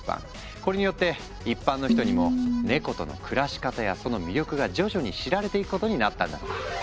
これによって一般の人にもネコとの暮らし方やその魅力が徐々に知られていくことになったんだとか。